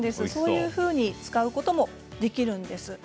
そういうことに使うこともできるんです。